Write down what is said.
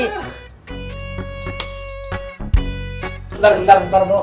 bentar bentar bentar bro